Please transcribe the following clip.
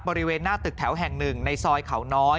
บริเวณหน้าตึกแถว๑ในซอยเขาน้อย